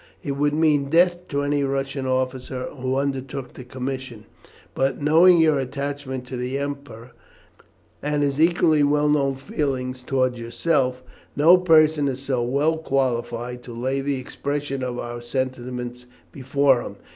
It would mean death to any Russian officer who undertook the commission, but, knowing your attachment to the Emperor, and his equally well known feelings towards yourself, no person is so well qualified to lay the expression of our sentiments before him.